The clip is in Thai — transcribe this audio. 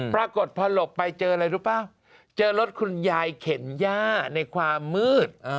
ปรากฏพอหลบไปเจออะไรรู้ป่ะเจอรถคุณยายเข็นย่าในความมืด